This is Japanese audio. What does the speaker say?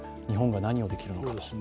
日本が何をできるのか。